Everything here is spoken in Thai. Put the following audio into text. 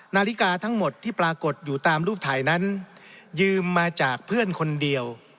นาฬิกาทั้งหมดที่ปรากฏอยู่ตามรูปถ่ายนั้นยืมมาจากเพื่อนคนเดียว